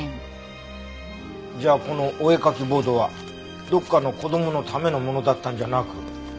じゃあこのお絵かきボードはどっかの子供のためのものだったんじゃなく。